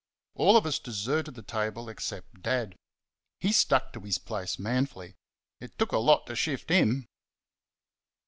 All of us deserted the table except Dad he stuck to his place manfully; it took a lot to shift HIM.